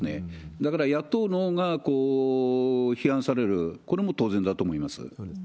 だから野党が批判される、これも当然だと思います。